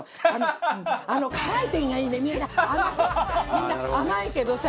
みんな甘いけどさ。